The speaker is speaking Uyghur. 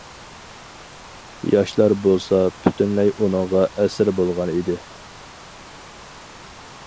ياشلار بولسا پۈتۈنلەي ئۇنىڭغا ئەسىر بولغان ئىدى.